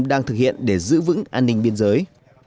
đang thực hiện để giữ vững an ninh biên giới